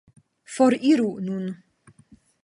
Foriru nun.